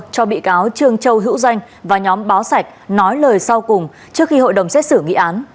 cho bị cáo trương châu hữu danh và nhóm báo sạch nói lời sau cùng trước khi hội đồng xét xử nghị án